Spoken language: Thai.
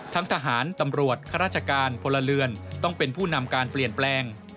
ทั้งทหารตำรวจข้าราชการพลเรือนต้องเป็นผู้นำการเปลี่ยนแปลง